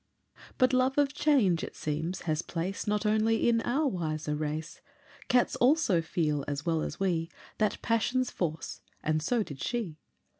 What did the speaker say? But love of change, it seems, has place Not only in our wiser race; Cats also feel, as well as we, That passion's force, and so did she.